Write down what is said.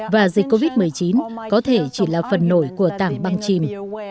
và dịch covid một mươi chín có thể chỉ là phần nổi của tảng băng chìm